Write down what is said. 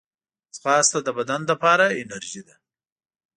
ځغاسته د بدن لپاره انرژي ده